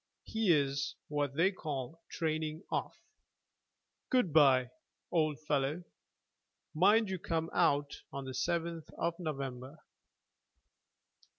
He's what they call training off. Good bye, old fellow. Mind you come out on the 7th of November."